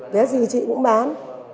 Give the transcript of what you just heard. vé gì chị cũng bán